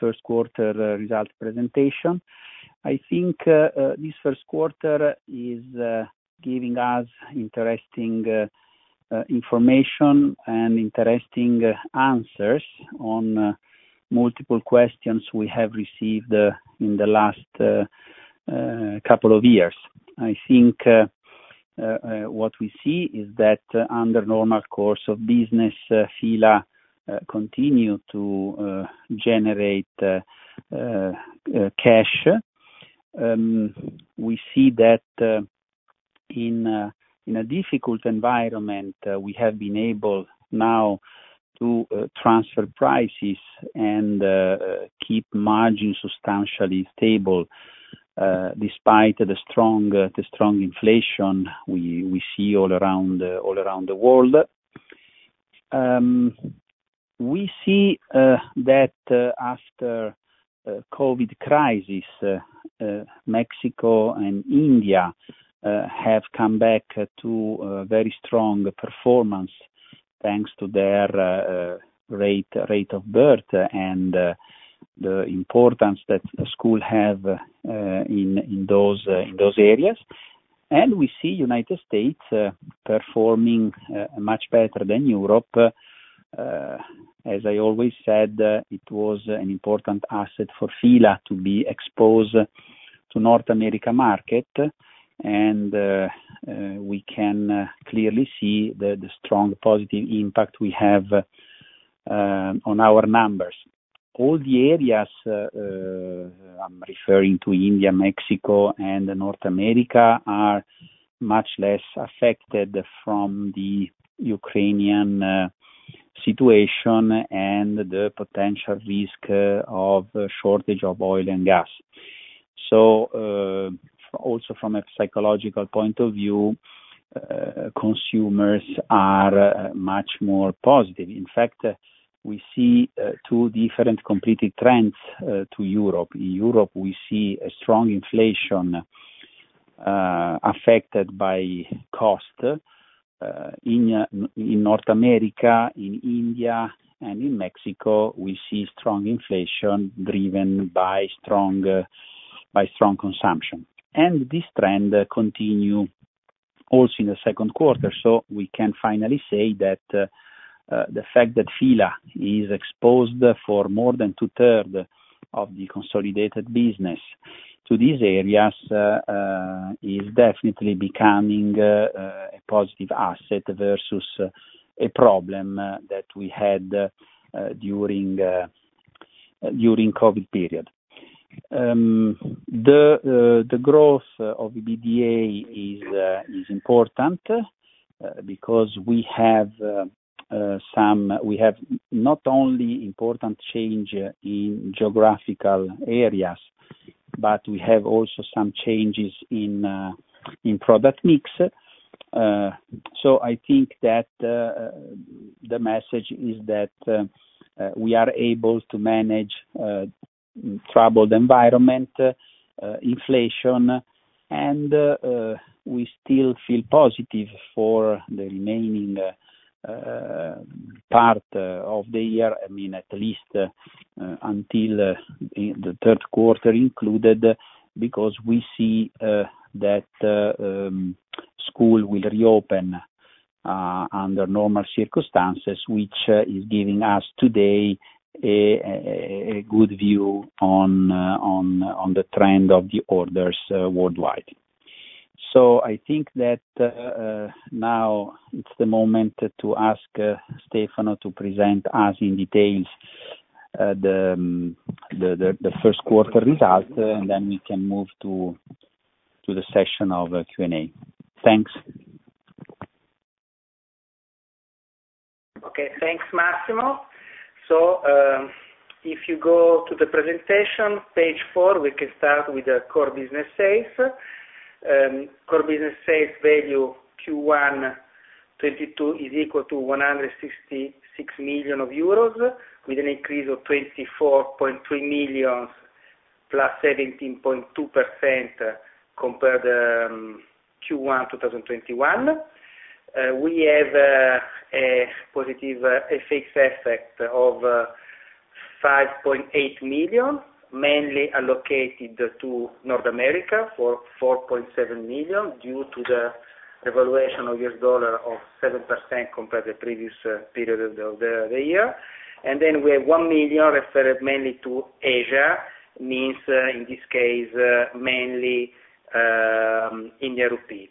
First quarter results presentation. I think this first quarter is giving us interesting information and interesting answers on multiple questions we have received in the last couple of years. I think what we see is that under normal course of business, F.I.L.A. continue to generate cash. We see that in a difficult environment we have been able now to transfer prices and keep margins substantially stable despite the strong inflation we see all around the world. We see that after COVID crisis, Mexico and India have come back to very strong performance thanks to their birth rate and the importance that schools have in those areas. We see the United States performing much better than Europe. As I always said, it was an important asset for F.I.L.A. to be exposed to North America market, and we can clearly see the strong positive impact we have on our numbers. All the areas I'm referring to India, Mexico, and North America are much less affected by the Ukrainian situation and the potential risk of shortage of oil and gas. Also from a psychological point of view, consumers are much more positive. In fact, we see two completely different trends in Europe. In Europe, we see a strong inflation affected by cost. In North America, in India and in Mexico, we see strong inflation driven by strong consumption. This trend continues also in the second quarter. We can finally say that the fact that F.I.L.A. is exposed for more than two-thirds of the consolidated business to these areas is definitely becoming a positive asset versus a problem that we had during COVID period. The growth of the EBITDA is important because we have not only important change in geographical areas, but we have also some changes in product mix. I think that the message is that we are able to manage troubled environment, inflation, and we still feel positive for the remaining part of the year. I mean, at least until the third quarter included, because we see that school will reopen under normal circumstances, which is giving us today a good view on the trend of the orders worldwide. I think that now it's the moment to ask Stefano to present us in details the first quarter result, and then we can move to the session of Q&A. Thanks. Okay, thanks, Massimo. If you go to the presentation, page four, we can start with the core business sales. Core business sales value Q1 2022 is equal to 166 million euros, with an increase of 24.3 million, +17.2% compared to Q1 2021. We have a positive FX effect of 5.8 million, mainly allocated to North America for 4.7 million, due to the evaluation of U.S. dollar of 7% compared to the previous period of the year. Then we have 1 million referred mainly to Asia. Meaning, in this case, mainly Indian rupee.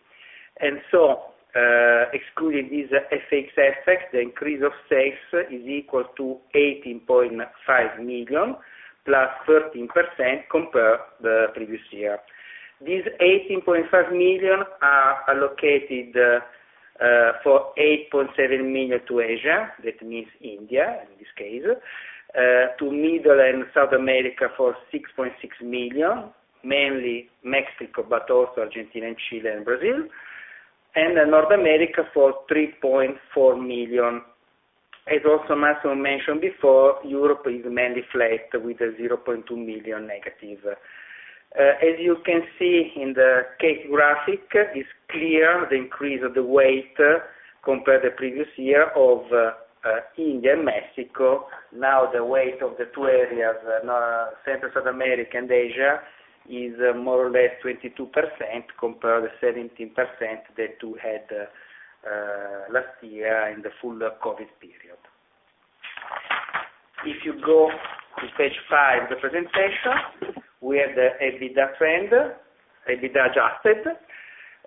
Excluding these FX effects, the increase of sales is equal to 18.5 million, +13% compared to the previous year. These 18.5 million are allocated for 8.7 million to Asia, that means India, in this case, to Middle and South America for 6.6 million, mainly Mexico, but also Argentina and Chile and Brazil. North America for 3.4 million. As Massimo also mentioned before, Europe is mainly flat with 0.2 million negative. As you can see in this graphic, it's clear the increase of the weight compared the previous year of India and Mexico. Now, the weight of the two areas, Central South America and Asia, is more or less 22% compared to 17% that we had last year in the full COVID period. If you go to page five of the presentation, we have the EBITDA trend, EBITDA adjusted.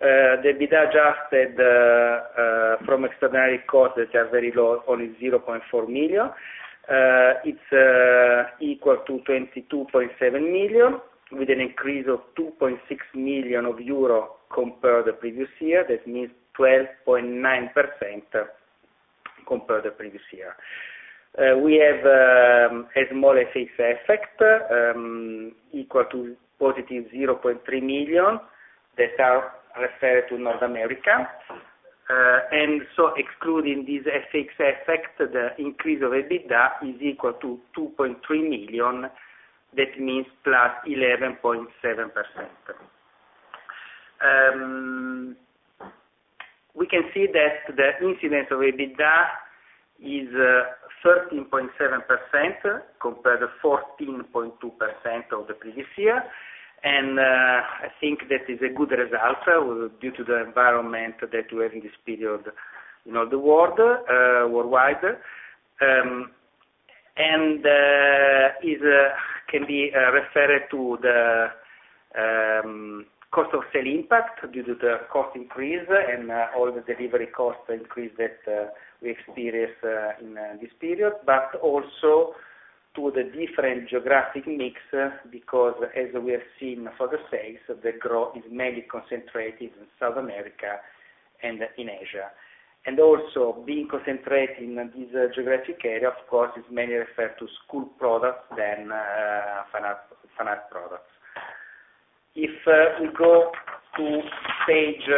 The EBITDA adjusted from extraordinary costs that are very low, only 0.4 million. It's equal to 22.7 million, with an increase of 2.6 million euro compared to the previous year. That means 12.9% compared to the previous year. We have a small FX effect equal to positive 0.3 million that is referred to North America. Excluding this FX effect, the increase of EBITDA is equal to 2.3 million. That means +11.7%. We can see that the incidence of EBITDA is 13.7% compared to 14.2% of the previous year. I think that is a good result due to the environment that we have in this period worldwide. It can be referred to the cost of sales impact due to the cost increase and all the delivery costs increase that we experienced in this period. Also to the different geographic mix because as we have seen for the sales, the growth is mainly concentrated in South America and in Asia. Also being concentrated in this geographic area, of course, is mainly referred to school products than Fine Art products. If we go to page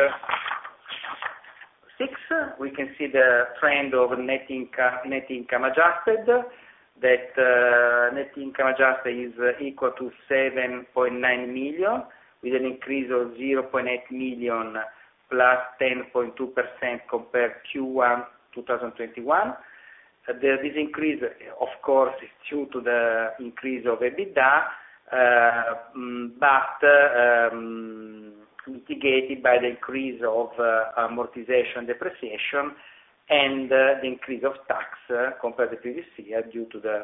six, we can see the trend of net income adjusted. That net income adjusted is equal to 7.9 million, with an increase of 0.8 million, +10.2% compared Q1 2021. This increase, of course, is due to the increase of EBITDA, but mitigated by the increase of amortization and depreciation and the increase of tax compared to previous year due to the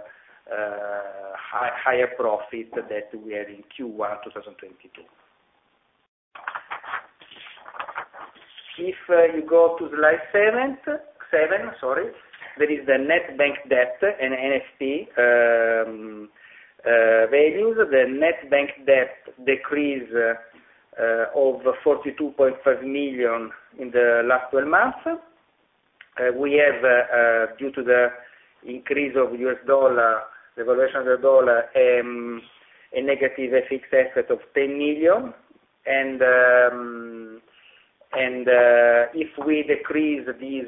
higher profit that we had in Q1, 2022. If you go to slide seven, there is the net bank debt and NFP values. The net bank debt decrease of 42.5 million in the last 12 months. We have, due to the increase of U.S. dollar, the valuation of the dollar, a negative FX effect of 10 million. If we decrease these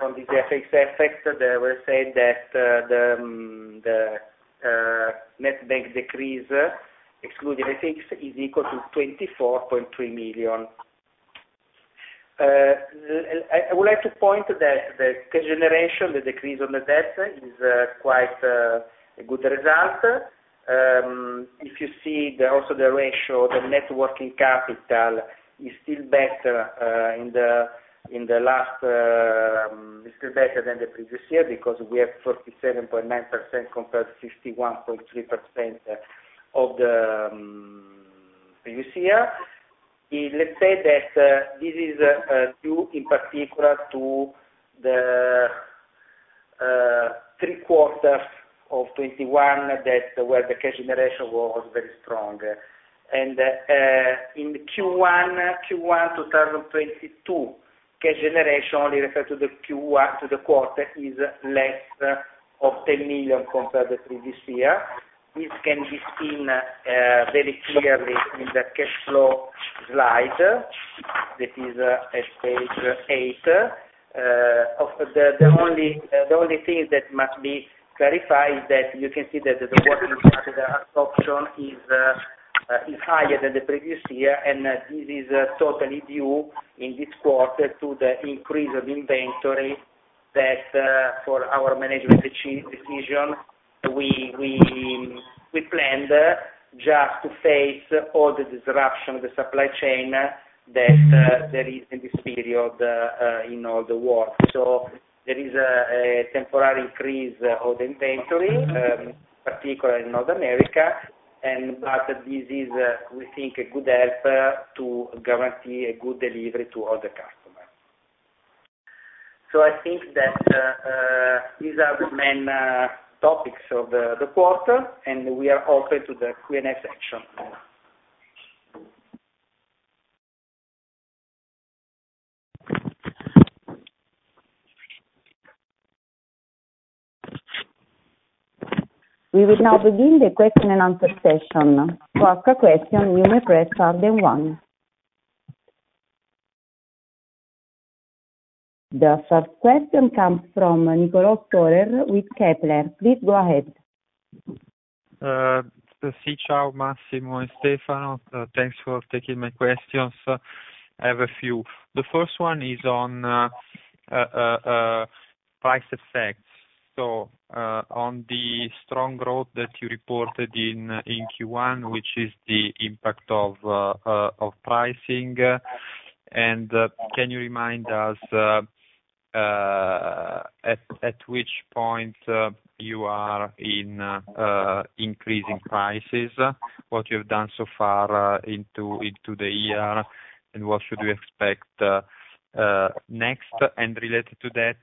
from these FX effects, they will say that the net bank decrease, excluding FX, is equal to 24.3 million. I would like to point out that the cash generation, the decrease in the debt is quite a good result. If you see also the ratio, the net working capital is still better than the previous year because we have 47.9% compared to 51.3% of the previous year. Let's say that this is due in particular to the three quarters of 2021 that were the cash generation was very strong. In the Q1 2022, cash generation only referred to the Q1, to the quarter, is less than 10 million compared to the previous year. This can be seen very clearly in the cash flow slide that is at page eight. The only thing that must be clarified is that you can see that the working capital absorption is higher than the previous year. This is totally due in this quarter to the increase of inventory that, for our management decision, we planned just to face all the disruption of the supply chain that there is in this period in all the world. There is a temporary increase of inventory, particularly in North America. This is, we think, a good help to guarantee a good delivery to all the customers. I think that these are the main topics of the quarter, and we are open to the Q&A section. We will now begin the question and answer session. To ask a question, you may press star then one. The first question comes from Niccolo'​ Storer with Kepler. Please go ahead. Thanks to Massimo and Stefano, thanks for taking my questions. I have a few. The first one is on price effects. On the strong growth that you reported in Q1, what is the impact of pricing. Can you remind us at which point you are in increasing prices? What you've done so far into the year, and what should we expect next? Related to that,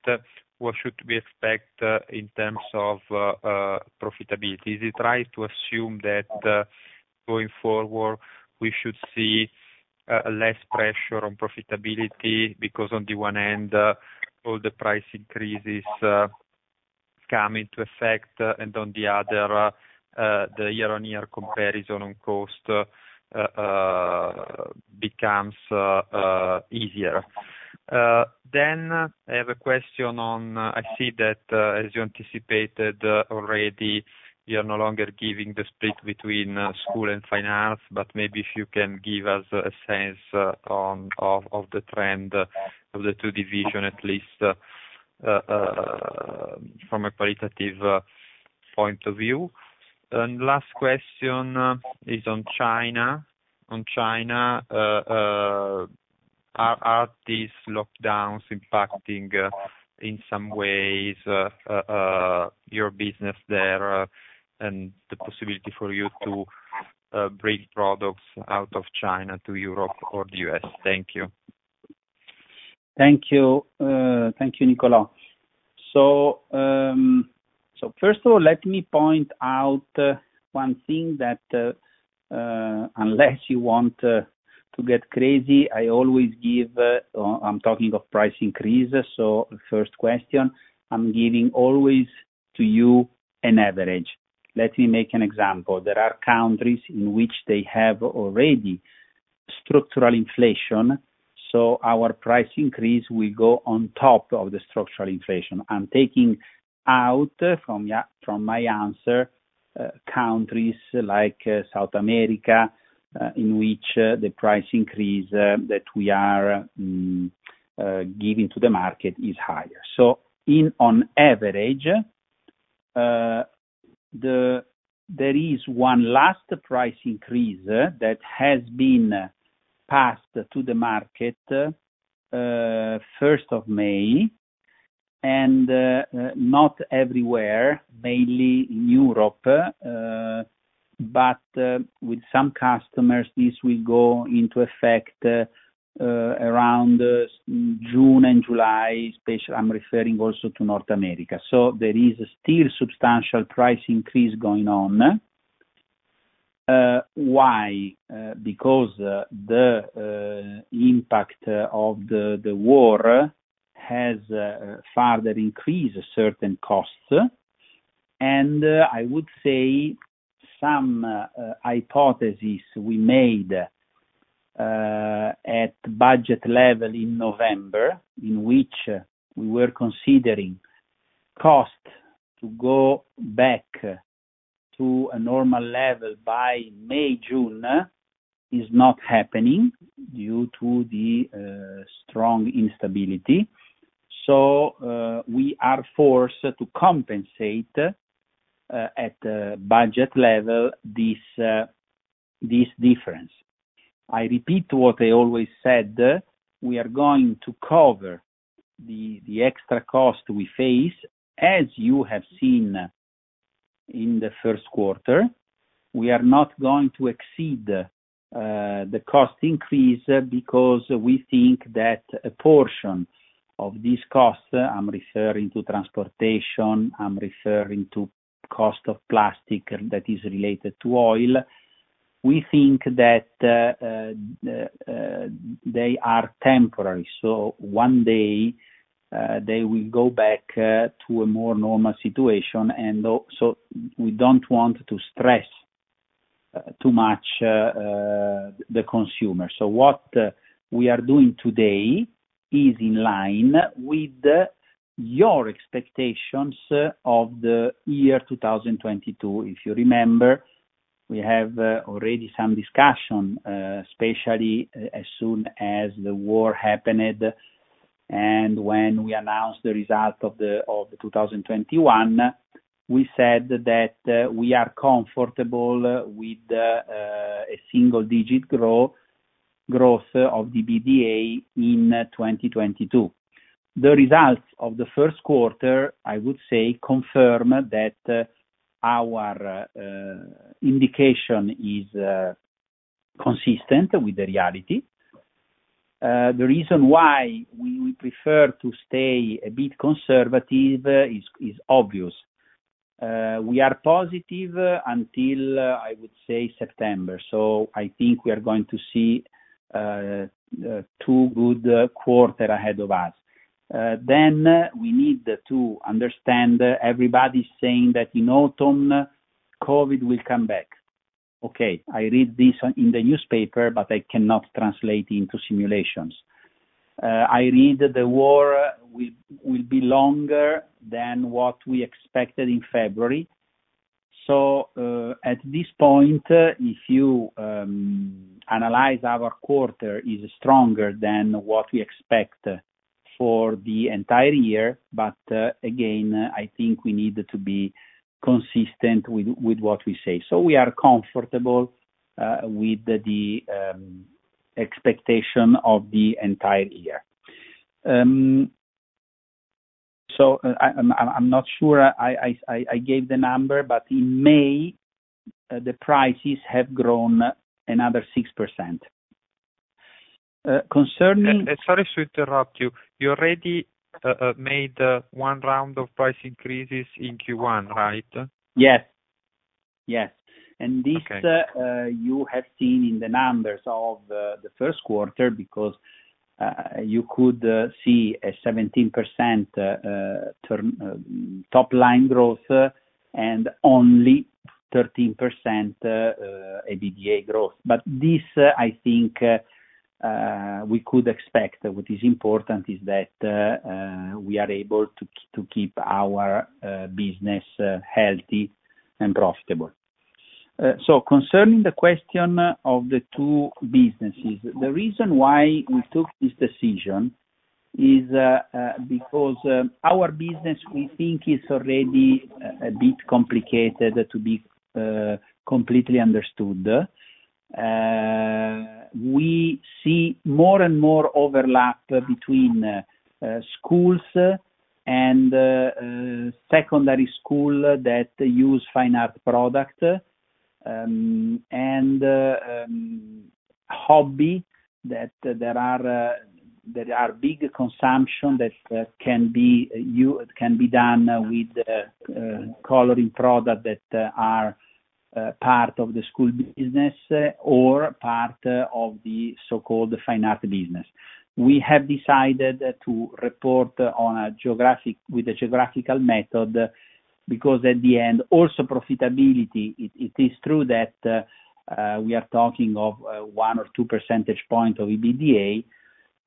what should we expect in terms of profitability? Is it right to assume that going forward, we should see less pressure on profitability because on the one hand all the price increases come into effect and on the other the year-on-year comparison on cost becomes easier. I have a question on... I see that, as you anticipated already, you're no longer giving the split between, school and fine art, but maybe if you can give us a sense of the trend of the two division at least, from a qualitative point of view. Last question is on China. On China, are these lockdowns impacting in some ways your business there, and the possibility for you to bring products out of China to Europe or the U.S.? Thank you. Thank you. Thank you, Niccolo'​. First of all, let me point out one thing that, unless you want to get crazy, I always give. I'm talking of price increases. First question, I'm giving always to you an average. Let me make an example. There are countries in which they have already structural inflation, so our price increase will go on top of the structural inflation. I'm taking out from my answer, countries like South America, in which the price increase that we are giving to the market is higher. On average, there is one last price increase that has been passed to the market, first of May, and not everywhere, mainly in Europe, but with some customers, this will go into effect, around June and July. Specifically, I'm referring also to North America. There is still substantial price increase going on. Why? Because the impact of the war has further increased certain costs. I would say some hypotheses we made at budget level in November, in which we were considering costs to go back to a normal level by May, June, is not happening due to the strong instability. We are forced to compensate at the budget level this difference. I repeat what I always said. We are going to cover the extra cost we face, as you have seen in the first quarter. We are not going to exceed the cost increase because we think that a portion of this cost, I'm referring to transportation, I'm referring to cost of plastic that is related to oil. We think that they are temporary. One day they will go back to a more normal situation, and also, we don't want to stress too much the consumer. What we are doing today is in line with your expectations of the year 2022. If you remember, we have already some discussion especially as soon as the war happened. When we announced the result of 2021, we said that we are comfortable with a single digit growth of the EBITDA in 2022. The results of the first quarter, I would say, confirm that our indication is consistent with the reality. The reason why we would prefer to stay a bit conservative is obvious. We are positive until, I would say, September. I think we are going to see two good quarters ahead of us. We need to understand everybody saying that in autumn, COVID will come back. Okay. I read this in the newspaper, but I cannot translate into simulations. I read that the war will be longer than what we expected in February. At this point, if you analyze our quarter, it is stronger than what we expect for the entire year. Again, I think we need to be consistent with what we say. We are comfortable with the expectation of the entire year. I'm not sure I gave the number, but in May, the prices have grown another 6%. Concerning- Sorry to interrupt you. You already made one round of price increases in Q1, right? Yes. Yes. Okay. This you have seen in the numbers of the first quarter because you could see a 17% top line growth and only 13% EBITDA growth. This I think we could expect. What is important is that we are able to to keep our business healthy and profitable. Concerning the question of the two businesses, the reason why we took this decision is because our business, we think is already a bit complicated to be completely understood. We see more and more overlap between schools and secondary school that use Fine Art product, and hobby that there are big consumption that can be done with coloring product that are part of the school business or part of the so-called Fine Art business. We have decided to report with a geographical method because at the end, also profitability, it is true that we are talking of one or two percentage points of EBITDA.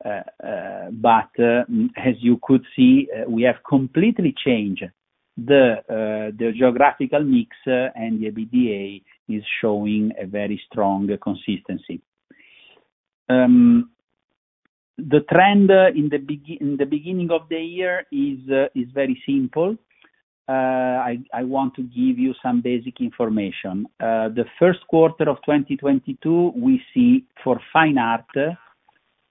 As you could see, we have completely changed the geographical mix, and the EBITDA is showing a very strong consistency. The trend in the beginning of the year is very simple. I want to give you some basic information. The first quarter of 2022, we see for Fine Art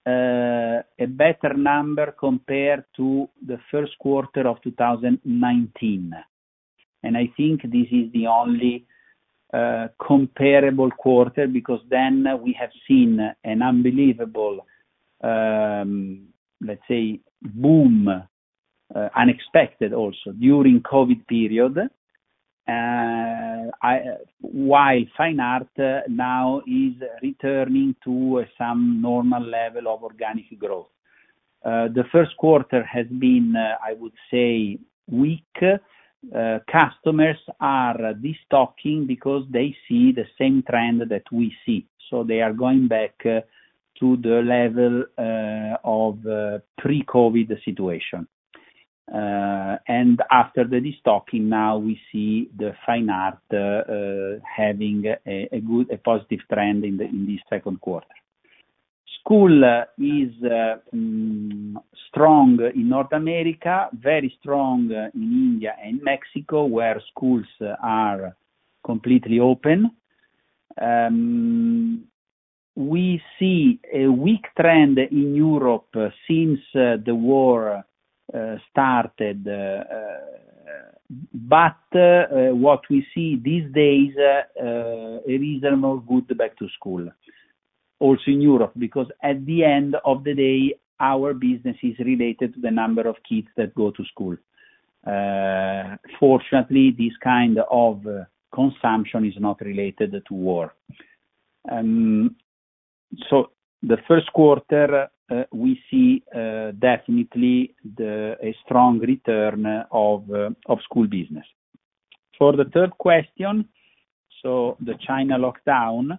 a better number compared to the first quarter of 2019. I think this is the only comparable quarter because then we have seen an unbelievable, let's say boom, unexpected also during COVID period. While Fine Art now is returning to some normal level of organic growth. The first quarter has been, I would say, weak. Customers are destocking because they see the same trend that we see, so they are going back to the level of pre-COVID situation. After the destocking, now we see the Fine Art having a good positive trend in the second quarter. School is strong in North America, very strong in India and Mexico, where schools are completely open. We see a weak trend in Europe since the war started. What we see these days, a reasonably good back to school also in Europe, because at the end of the day, our business is related to the number of kids that go to school. Fortunately, this kind of consumption is not related to war. The first quarter, we see definitely a strong return of school business. For the third question, the China lockdown,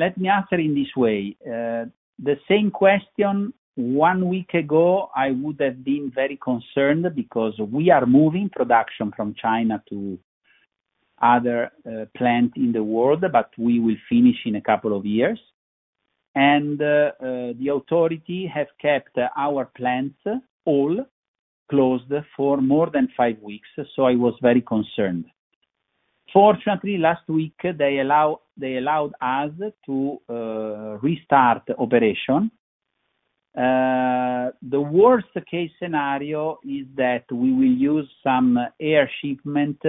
let me answer in this way. The same question, one week ago, I would have been very concerned because we are moving production from China to other plant in the world, but we will finish in a couple of years. The authority have kept our plants all closed for more than five weeks, so I was very concerned. Fortunately, last week, they allowed us to restart operation. The worst case scenario is that we will use some air shipment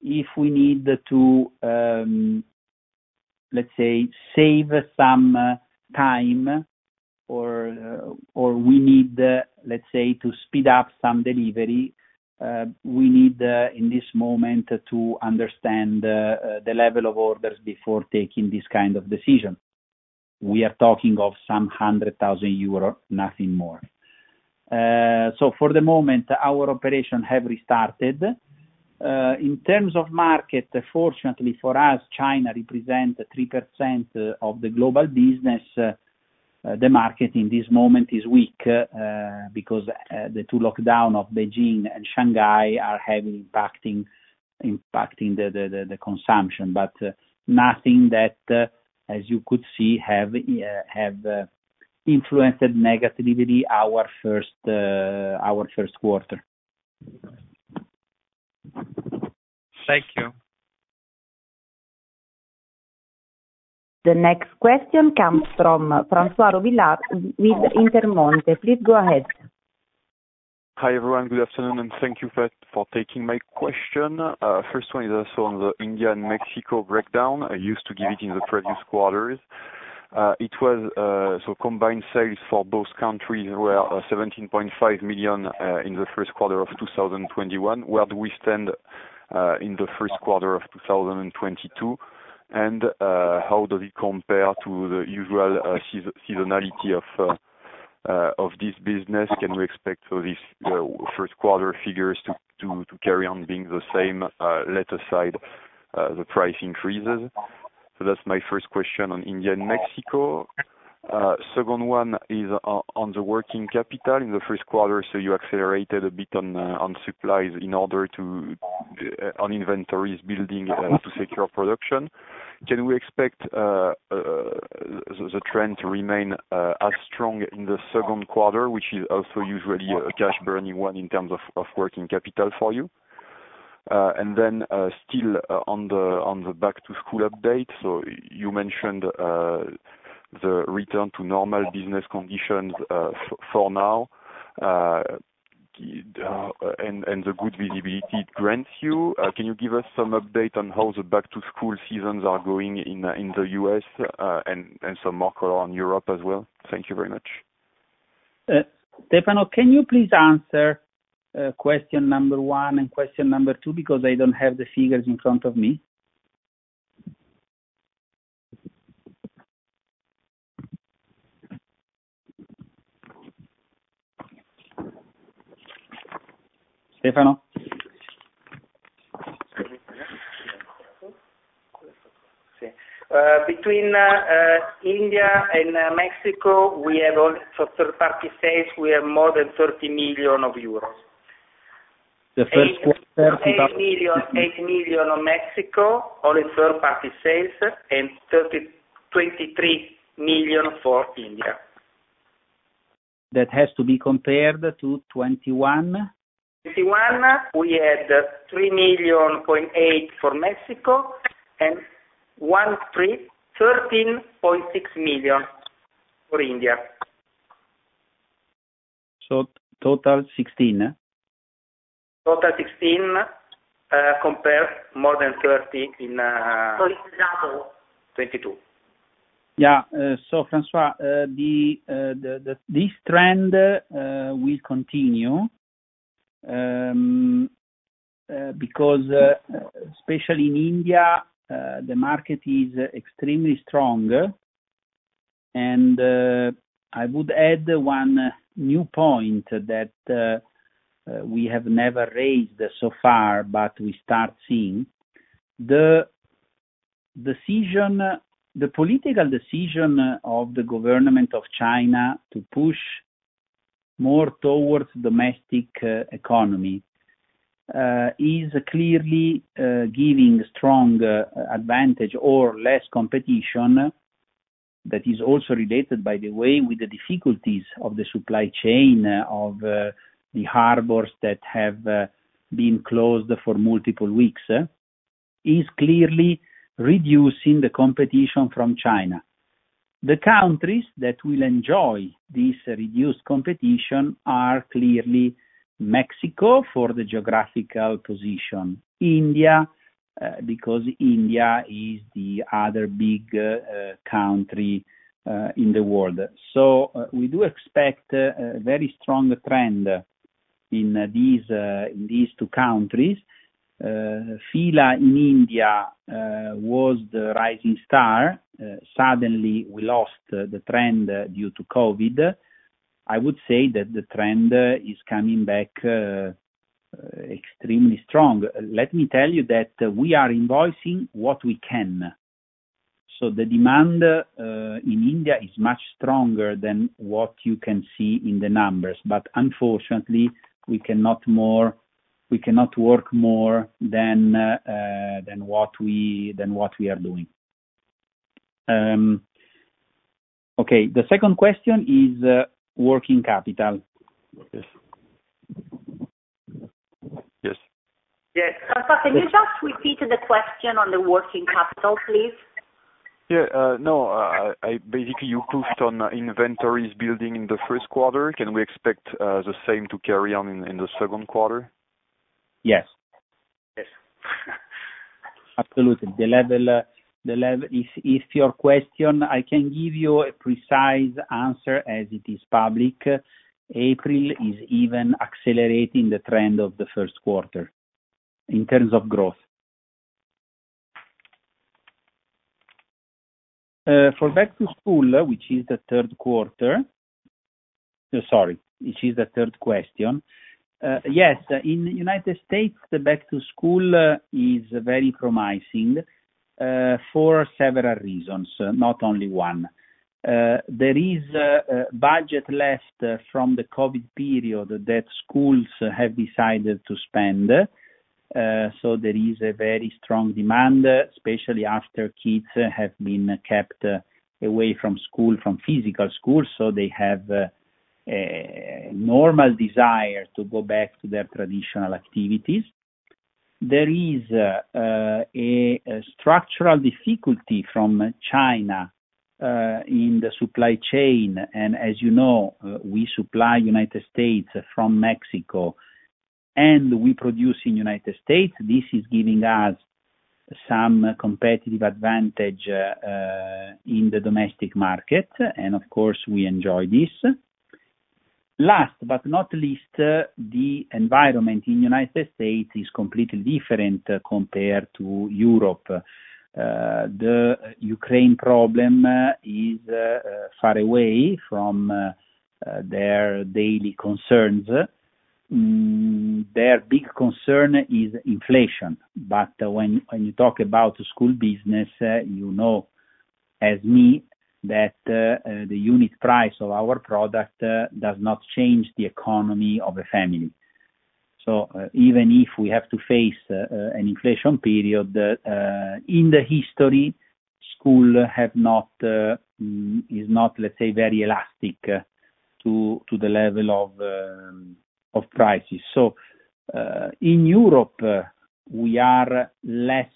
if we need to, let's say, save some time or we need, let's say, to speed up some delivery. We need, in this moment, to understand the level of orders before taking this kind of decision. We are talking of some 100,000 euro, nothing more. For the moment, our operation have restarted. In terms of market, fortunately for us, China represent 3% of the global business. The market in this moment is weak, because the two lockdown of Beijing and Shanghai are having impacting the consumption. Nothing that, as you could see, have influenced negatively our first quarter. Thank you. The next question comes from François Robillard with Intermonte. Please go ahead. Hi, everyone. Good afternoon, and thank you for taking my question. First one is also on the India and Mexico breakdown, you used to give it in the previous quarters. It was, so combined sales for both countries were 17.5 million in the first quarter of 2021. Where do we stand in the first quarter of 2022? And how does it compare to the usual seasonality of this business? Can we expect this first quarter figures to carry on being the same, let aside the price increases? So that's my first question on India and Mexico. Second one is on the working capital. In the first quarter, you accelerated a bit on supplies in order to build inventories to secure production. Can we expect the trend to remain as strong in the second quarter, which is also usually a cash burning one in terms of working capital for you? Still on the back to school update. You mentioned the return to normal business conditions for now, and the good visibility it grants you. Can you give us some update on how the back to school seasons are going in the U.S., and some macro on Europe as well? Thank you very much. Stefano, can you please answer question number one and question number two, because I don't have the figures in front of me. Stefano? Between India and Mexico, we have all for third-party sales, we have more than EUR 30 million. The first quarter. 8 million, 8 million on Mexico, only third-party sales, and 23 million for India. That has to be compared to 2021. In 2021, we had 3.8 million for Mexico and 13.6 million for India. Total 16 million? Total 16 million, compared more than 30 milion in 2022. Yeah. François, this trend will continue because, especially in India, the market is extremely strong. I would add one new point that we have never raised so far, but we start seeing. The political decision of the government of China to push more towards domestic economy is clearly giving strong advantage or less competition that is also related, by the way, with the difficulties of the supply chain of the harbors that have been closed for multiple weeks is clearly reducing the competition from China. The countries that will enjoy this reduced competition are clearly Mexico for the geographical position, India because India is the other big country in the world. We do expect a very strong trend in these two countries. F.I.L.A. in India was the rising star. Suddenly we lost the trend due to COVID. I would say that the trend is coming back extremely strong. Let me tell you that we are invoicing what we can. The demand in India is much stronger than what you can see in the numbers, but unfortunately, we cannot work more than what we are doing. Okay, the second question is working capital. Yes. Yes. Can you just repeat the question on the working capital, please? Yeah. No. Basically, you hooked on inventories building in the first quarter. Can we expect the same to carry on in the second quarter? Yes. Yes. Absolutely. If your question, I can give you a precise answer as it is public. April is even accelerating the trend of the first quarter in terms of growth. For back to school, which is the third quarter. Sorry, which is the third quarter. Yes. In United States, the back to school is very promising for several reasons, not only one. There is a budget left from the COVID period that schools have decided to spend. So there is a very strong demand, especially after kids have been kept away from school, from physical school, so they have a normal desire to go back to their traditional activities. There is a structural difficulty from China in the supply chain. As you know, we supply the United States from Mexico, and we produce in the United States. This is giving us some competitive advantage in the domestic market. Of course, we enjoy this. Last but not least, the environment in the United States is completely different compared to Europe. The Ukraine problem is far away from their daily concerns. Their big concern is inflation. When you talk about school business, you know as well as me that the unit price of our product does not change the economy of a family. Even if we have to face an inflation period, in the history, school is not, let's say, very elastic to the level of prices. In Europe, we are less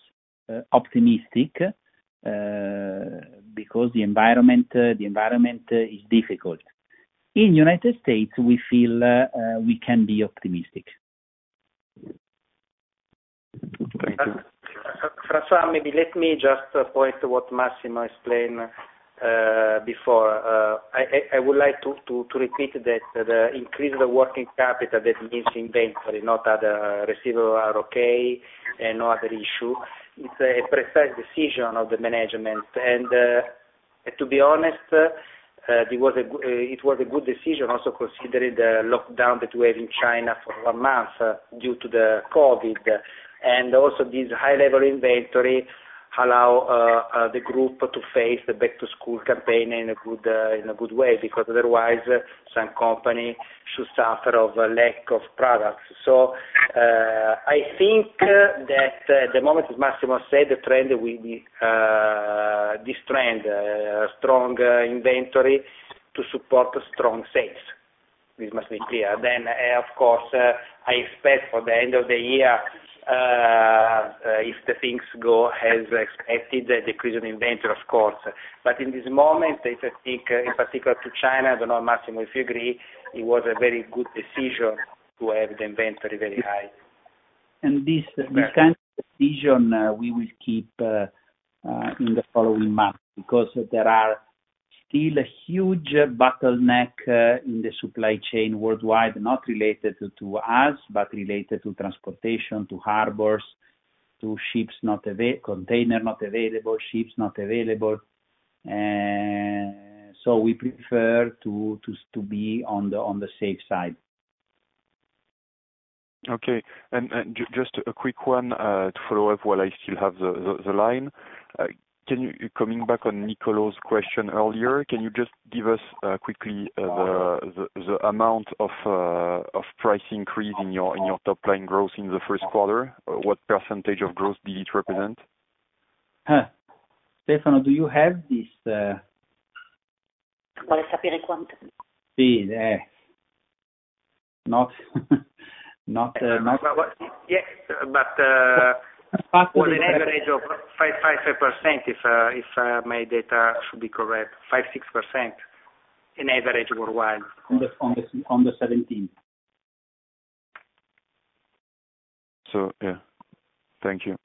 optimistic because the environment is difficult. In United States, we feel we can be optimistic. Thank you. François, maybe let me just point what Massimo explained before. I would like to repeat that the increase of the working capital, that means inventory, not other receivable are okay and no other issue. It's a precise decision of the management. To be honest, it was a good decision also considering the lockdown that we have in China for one month due to the COVID. Also this high level inventory allow the group to face the back to school campaign in a good way, because otherwise some company should suffer of a lack of products. I think that at the moment, as Massimo said, the trend will be strong inventory to support strong sales. This must be clear. Of course, I expect for the end of the year, if the things go as expected, the decrease in inventory of course. In this moment, if I think in particular to China, I don't know, Massimo, if you agree, it was a very good decision to have the inventory very high. This kind of decision we will keep in the following months because there are still a huge bottleneck in the supply chain worldwide, not related to us, but related to transportation, to harbors, container not available, ships not available. We prefer to be on the safe side. Okay. Just a quick one to follow up while I still have the line. Coming back on Niccolo's question earlier, can you just give us quickly the amount of price increase in your top line growth in the first quarter? What percentage of growth did it represent? Stefano, do you have this. Yes. On an average of 5% if my data should be correct, 5%, 6% on average worldwide on the 17%. Yeah. Thank you.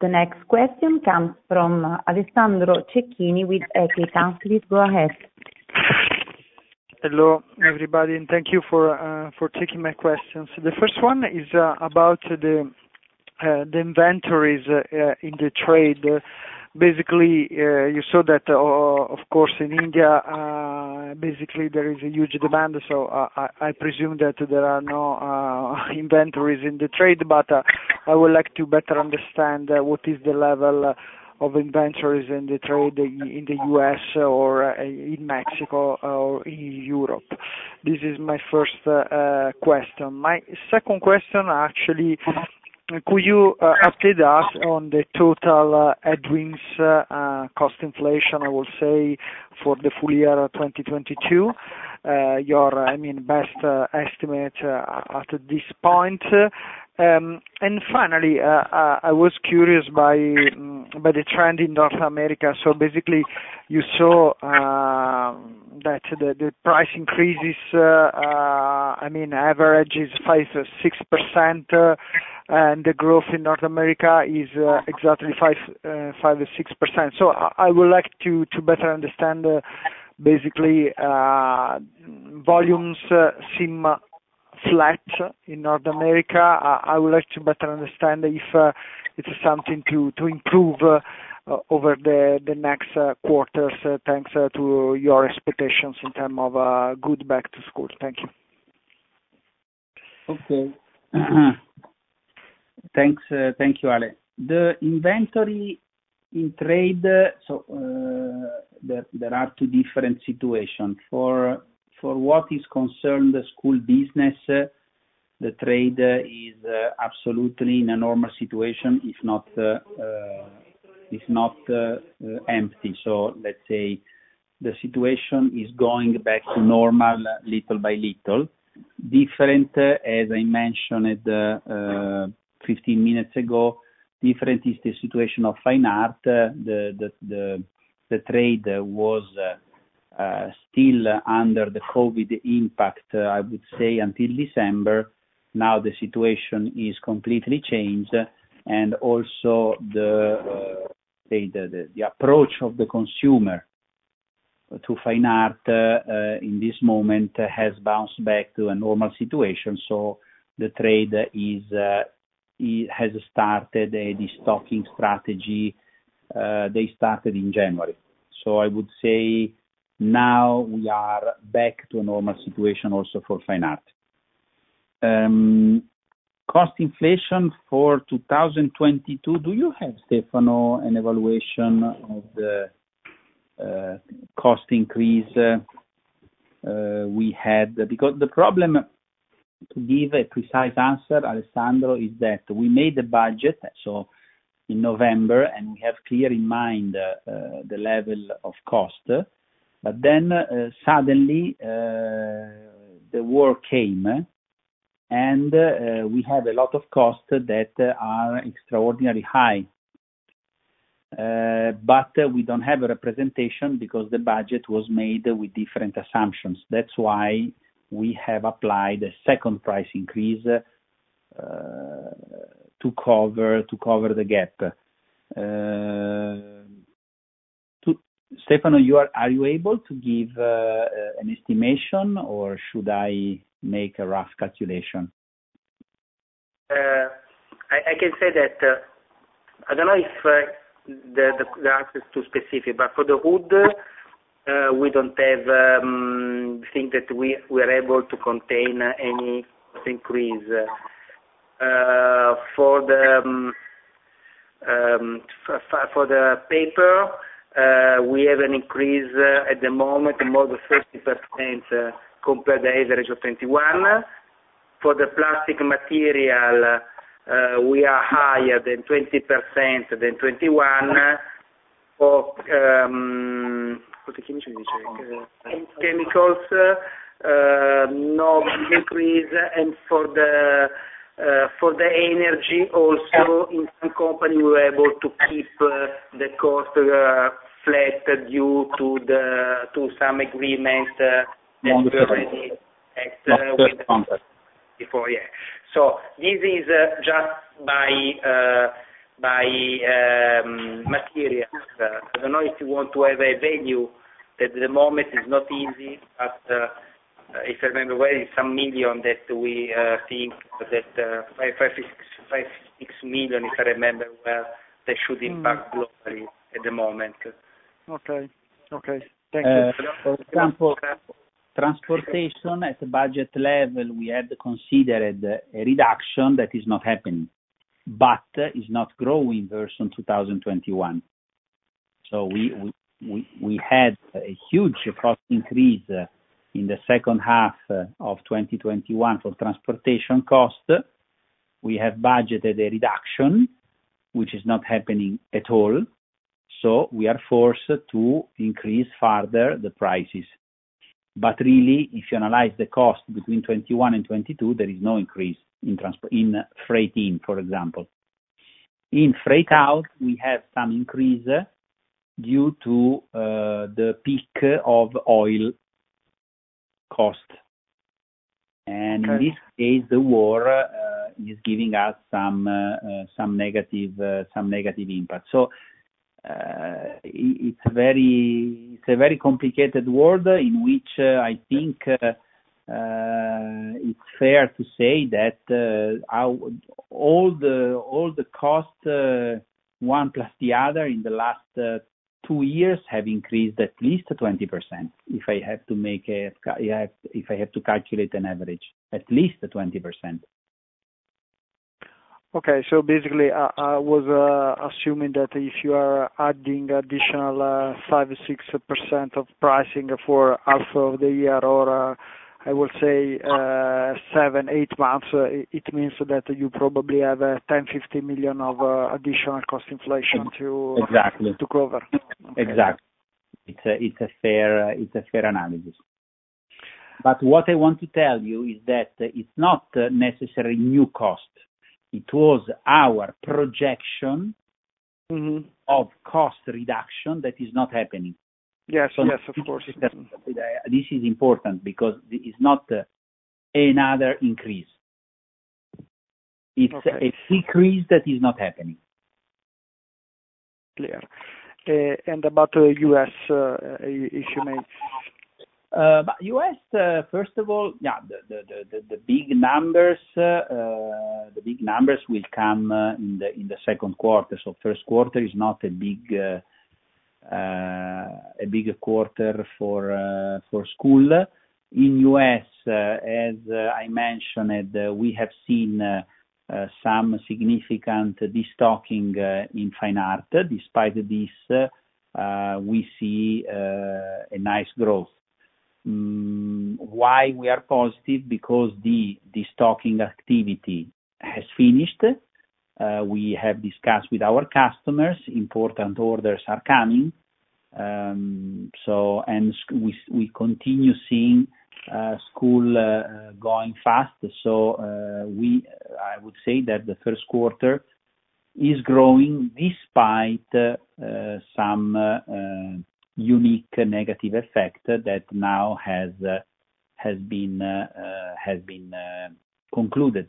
The next question comes from Alessandro Cecchini with EQUITA. Please go ahead. Hello, everybody, and thank you for taking my questions. The first one is about the inventories in the trade. Basically, you saw that, of course, in India, basically there is a huge demand. I presume that there are no inventories in the trade. I would like to better understand what is the level of inventories in the trade in the U.S. or in Mexico or in Europe. This is my first question. My second question, actually, could you update us on the total headwinds, cost inflation, I will say, for the full-year 2022, your, I mean, best estimate at this point? And finally, I was curious about the trend in North America. Basically you saw that the price increases I mean average is 5%-6%. The growth in North America is exactly 5% and 6%. I would like to better understand basically volumes seem flat in North America. I would like to better understand if it is something to improve over the next quarters thanks to your expectations in terms of good back to school. Thank you. Okay. Thanks. Thank you, Ale. The inventory in trade. There are two different situations. For what concerns the school business, the trade is absolutely in a normal situation, if not empty. Let's say the situation is going back to normal little by little. Different, as I mentioned it, 15 minutes ago, different is the situation of Fine Art. The trade was still under the COVID impact, I would say, until December. Now the situation is completely changed. Also the approach of the consumer to Fine Art in this moment has bounced back to a normal situation. The trade has started a restocking strategy, they started in January. I would say now we are back to a normal situation also for Fine Art. Cost inflation for 2022, do you have, Stefano, an evaluation of the cost increase we had? Because the problem, to give a precise answer, Alessandro, is that we made a budget, so in November, and we have clear in mind the level of cost. Suddenly the war came, and we had a lot of costs that are extraordinarily high. We don't have a representation because the budget was made with different assumptions. That's why we have applied a second price increase to cover the gap. Stefano, are you able to give an estimation, or should I make a rough calculation? I can say that I don't know if the answer is too specific, but for the wood, we don't think that we are able to contain any cost increase. For the paper, we have an increase at the moment, more than 50% compared to the average of 2021. For the plastic material, we are higher than 20% than 2021. For chemicals, no big increase. For the energy also in some company, we're able to keep the cost flat due to some agreements that we already had with before. This is just by materials. I don't know if you want to have a value. At the moment is not easy, but if I remember well, it's some million that we think that 5 million-6 million, if I remember well, that should impact globally at the moment. Okay. Thank you. Transportation at budget level, we had considered a reduction that is not happening, but is not growing versus 2021. We had a huge cost increase in the second half of 2021 for transportation costs. We have budgeted a reduction, which is not happening at all, so we are forced to increase further the prices. Really, if you analyze the cost between 2021 and 2022, there is no increase in transport, in freight in, for example. In freight out, we have some increase due to the peak of oil cost. Okay. In this case, the war is giving us some negative impact. It's a very complicated world in which I think it's fair to say that all the costs, one plus the other in the last two years have increased at least 20%, if I had to calculate an average, at least 20%. Okay. Basically I was assuming that if you are adding additional 5% or 6% of pricing for half of the year or, I would say, seven, eight months, it means that you probably have 10 million, 50 million of additional cost inflation to- Exactly. to cover. Exactly. It's a fair analysis. What I want to tell you is that it's not necessarily new cost. It was our projection. Mm-hmm. Of cost reduction that is not happening. Yes. Yes, of course. This is important because it's not another increase. Okay. It's a decrease that is not happening. Clear. About the U.S., issue maybe. About U.S., first of all, yeah, the big numbers will come in the second quarter. First quarter is not a big quarter for school. In U.S., as I mentioned, we have seen some significant destocking in Fine Art. Despite this, we see a nice growth. Why we are positive? Because the destocking activity has finished. We have discussed with our customers, important orders are coming. We continue seeing school going fast. We would say that the first quarter is growing despite some unique negative effect that now has been concluded.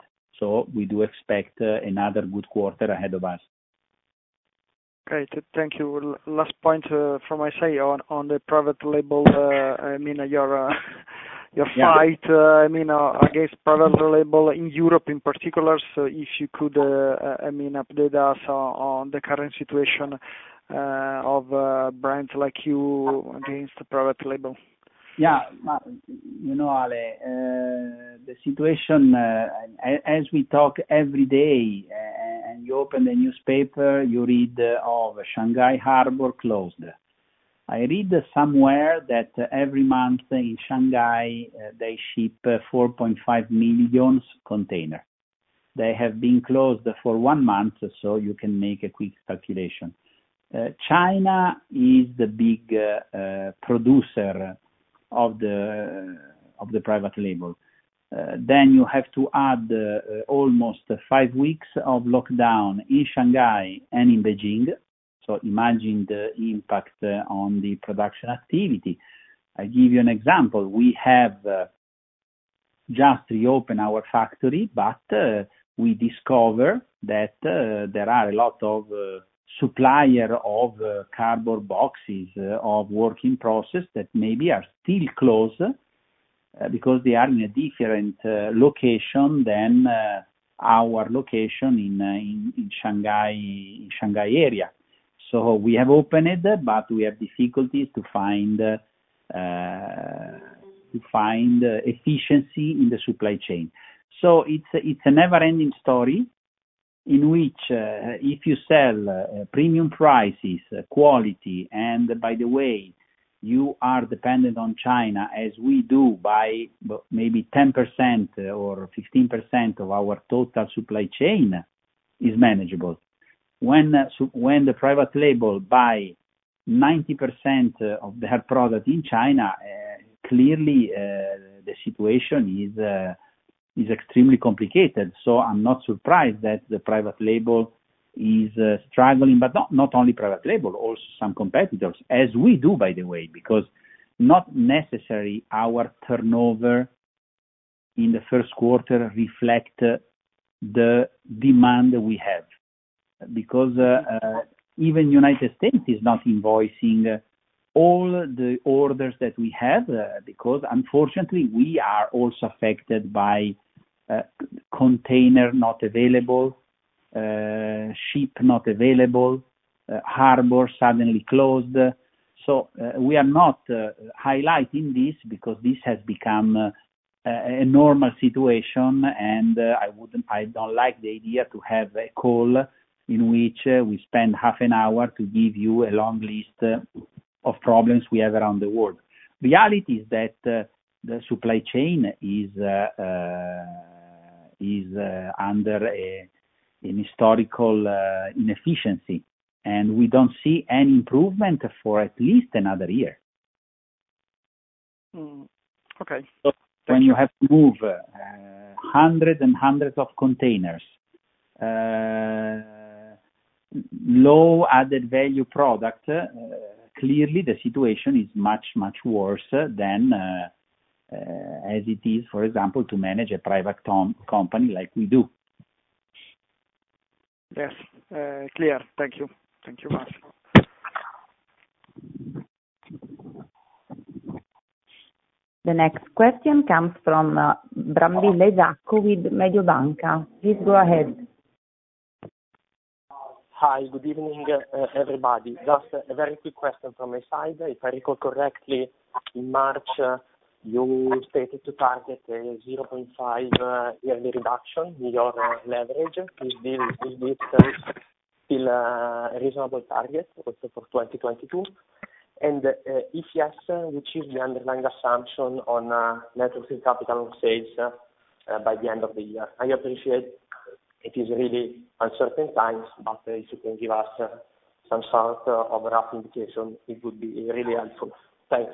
We do expect another good quarter ahead of us. Great. Thank you. Last point from my side on the private label, I mean, your fight against private label in Europe in particular. If you could, I mean, update us on the current situation of brands like you against private label. Yeah. You know, Ale, the situation, as we talk every day and you open the newspaper, you read of Shanghai Harbor closed. I read somewhere that every month in Shanghai, they ship 4.5 million containers. They have been closed for one month, so you can make a quick calculation. China is the big producer of the private label. Then you have to add almost five weeks of lockdown in Shanghai and in Beijing. Imagine the impact on the production activity. I give you an example. We have just reopened our factory, but we discover that there are a lot of supplier of cardboard boxes of working process that maybe are still closed, because they are in a different location than our location in Shanghai area. We have opened, but we have difficulties to find efficiency in the supply chain. It's a never ending story in which if you sell premium prices, quality, and by the way, you are dependent on China, as we do by maybe 10% or 15% of our total supply chain is manageable. When the private label buy 90% of their product in China, clearly the situation is extremely complicated. I'm not surprised that the private label is struggling, but not only private label, also some competitors, as we do, by the way, because not necessary our turnover in the first quarter reflect the demand we have. Because even United States is not invoicing all the orders that we have, because unfortunately, we are also affected by container not available, ship not available, harbor suddenly closed. We are not highlighting this because this has become a normal situation, and I don't like the idea to have a call in which we spend half an hour to give you a long list of problems we have around the world. Reality is that the supply chain is under an historical inefficiency, and we don't see any improvement for at least another year. Okay. When you have to move hundreds and hundreds of containers, low added value product, clearly the situation is much worse than as it is, for example, to manage a private company like we do. Yes, clear. Thank you. Thank you, Massimo. The next question comes from Brambilla, Isacco with Mediobanca. Please go ahead. Hi. Good evening, everybody. Just a very quick question from my side. If I recall correctly, in March, you stated to target a 0.5 yearly reduction in your leverage. Is this still a reasonable target also for 2022? If yes, which is the underlying assumption on net working capital sales by the end of the year? I appreciate it is really uncertain times, but if you can give us some sort of rough indication, it would be really helpful. Thanks.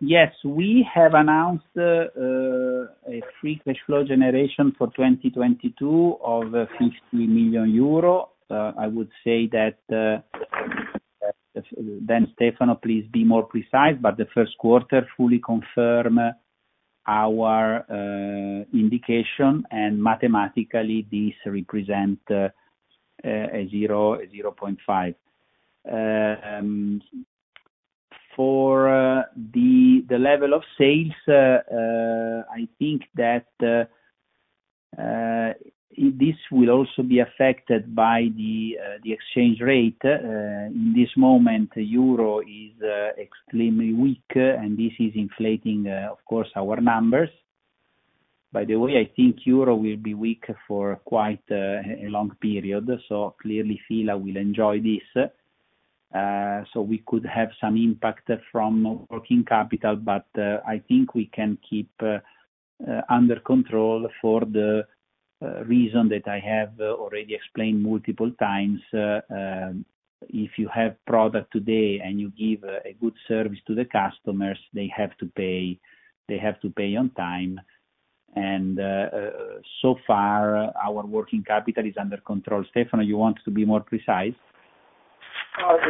Yes, we have announced a free cash flow generation for 2022 of 50 million euro. I would say that, then Stefano please be more precise, but the first quarter fully confirm our indication, and mathematically these represent 0.5. For the level of sales, I think that this will also be affected by the exchange rate. In this moment, euro is extremely weak, and this is inflating, of course our numbers. By the way, I think euro will be weak for quite a long period. Clearly, F.I.L.A. will enjoy this. We could have some impact from working capital, but I think we can keep under control for the reason that I have already explained multiple times. If you have product today and you give a good service to the customers, they have to pay on time. So far our working capital is under control. Stefano, you want to be more precise?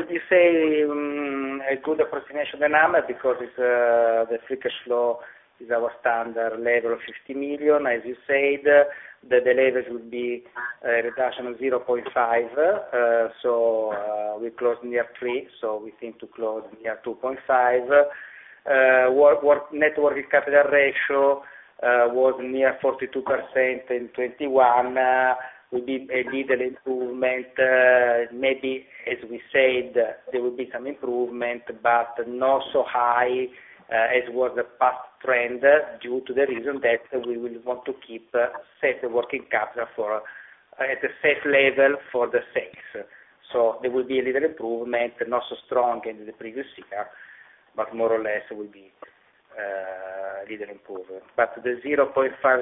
We say a good approximation that number because it's the free cash flow is our standard level of 50 million. As you said, the leverage would be a reduction of 0.5. We closed near three, so we seem to close near 2.5. Net working capital ratio was near 42% in 2021. Will be a little improvement, maybe as we said, there will be some improvement, but not so high as was the past trend, due to the reason that we will want to keep safe working capital for at a safe level for the sales. There will be a little improvement, not so strong in the previous year, but more or less it will be little improvement. The 0.5,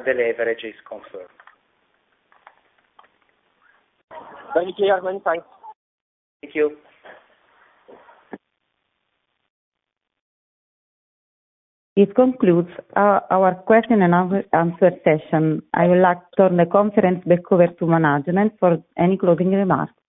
the leverage is confirmed. Thanks. Thank you. It concludes our question and answer session. I would like to turn the conference back over to management for any closing remarks.